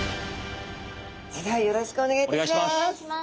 それではよろしくおねがいいたします。